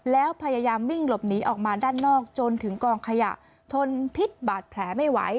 แล้วพยายามวิ่งหลบหนีออกมาด้านนอกจนถึงกองขยะทนพิษบาดแผลไม่ไหว